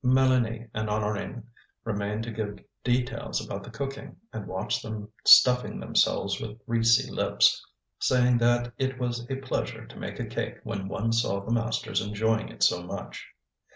Mélanie and Honorine remained to give details about the cooking and watched them stuffing themselves with greasy lips, saying that it was a pleasure to make a cake when one saw the masters enjoying it so much.